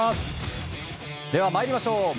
では、まいりましょう。